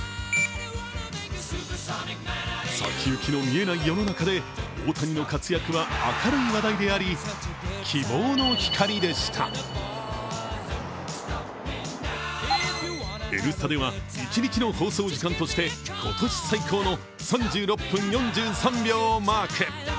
先行きの見えない世の中で大谷の活躍は明るい話題であり、希望の光でした「Ｎスタ」では、一日の放送時間として今年最高の３６分４３秒をマーク。